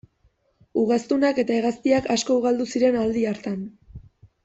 Ugaztunak eta hegaztiak asko ugaldu ziren aldi hartan.